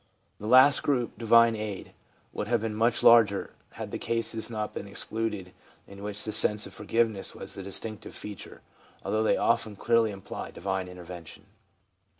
The last group, divine aid, would have been much larger, had the cases not been excluded in which the sense of forgive ness was the distinctive feature, although they often clearly imply divine intervention.